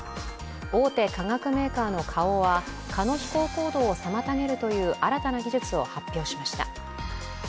大手化学メーカーの花王は蚊の飛行行動を妨げるという新たな技術を発表しました。